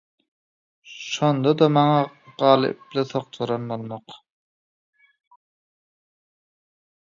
şonda-da maňa galyply sokjaran bolmak.